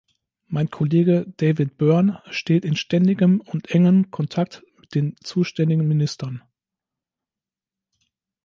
Mein Kollege David Byrne steht in ständigem und engem Kontakt mit den zuständigen Ministern.